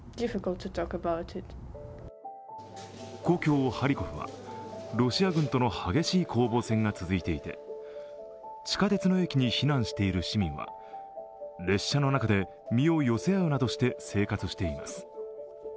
故郷ハリコフは、ロシア軍との激しい攻防戦が続いていて、地下鉄の駅に避難している市民は列車の中で身を寄せ合うなどして生活しています。